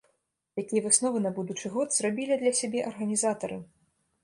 Якія высновы на будучы год зрабілі для сябе арганізатары?